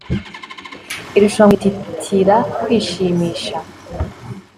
Irushanwa guhina gutitira kwishimisha